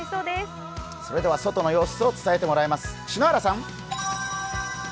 外の様子を伝えてもらいます、篠原さん。